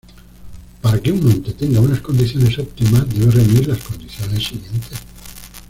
Para que un monte tenga unas condiciones óptimas debe reunir las condiciones siguientes.